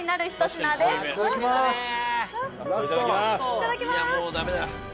いただきます！